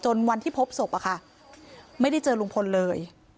วันที่พบศพอะค่ะไม่ได้เจอลุงพลเลย